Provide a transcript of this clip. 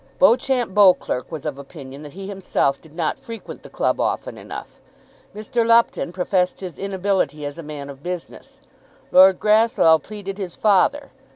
Beauchamp Beauclerk was of opinion that he himself did not frequent the club often enough. Mr. Lupton professed his inability as a man of business. Lord Grasslough pleaded his father.